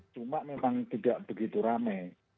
cuma memang tidak begitu rame